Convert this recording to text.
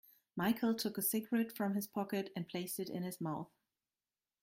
Michael took a cigarette from his pocket and placed it in his mouth.